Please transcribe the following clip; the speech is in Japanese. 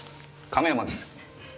亀山です。